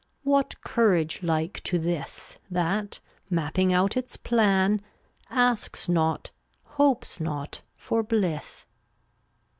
J What courage like to this, That, mapping out its plan, Asks not, hopes not, for bliss?